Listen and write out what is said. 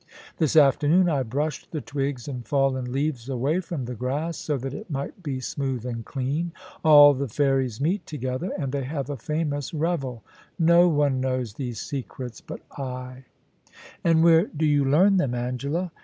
This afternoon I brushed the twigs and fallen leaves away from the grass, so that it might be smooth and clean. All the fairies meet together, and they have a famous revel No one knows these secrets but L' * And where do you learn them, Angela